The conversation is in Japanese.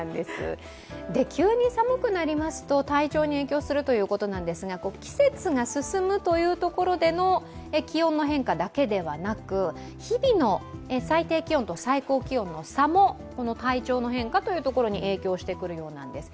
急に寒くなりますと体調に影響するということなんですが季節が進むというところでの気温の変化だけではなく、日々の最低気温と最高気温の差もこの体調の変化というところに影響してくるようなんです。